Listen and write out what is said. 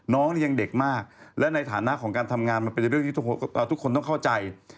น้องนี่ยังเด็กมากและในฐานะของการทำงานมันเป็นเรื่องที่ทุกคนต้องเข้าใจ